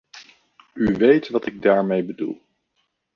U weet wat ik daarmee bedoel.